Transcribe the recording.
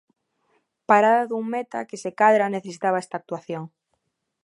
Parada dun meta que se cadra necesitaba esta actuación.